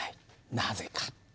なぜか？